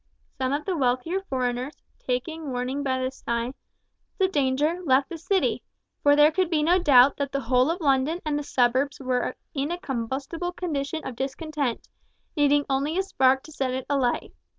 Some of the wealthier foreigners, taking warning by the signs of danger, left the City, for there could be no doubt that the whole of London and the suburbs were in a combustible condition of discontent, needing only a spark to set it alight.